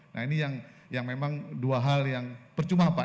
nah ini yang memang dua hal yang percuma pak